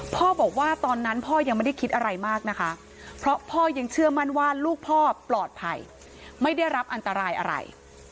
พ่อบอกว่าตอนนั้นพ่อยังไม่ได้คิดอะไรมากนะคะเพราะพ่อยังเชื่อมั่นว่าลูกพ่อปลอดภัยไม่ได้รับอันตรายอะไร